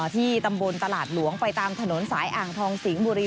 ที่ตำบลตลาดหลวงไปตามถนนสายอ่างทองสิงห์บุรี